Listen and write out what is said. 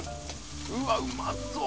うわっうまそう！